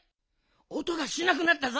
おとがしなくなったぞ。